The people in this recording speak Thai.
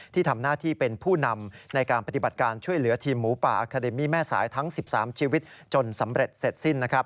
ที่ทำหน้าที่เป็นผู้นำในการปฏิบัติการช่วยเหลือทีมหมูป่าอาคาเดมี่แม่สายทั้ง๑๓ชีวิตจนสำเร็จเสร็จสิ้นนะครับ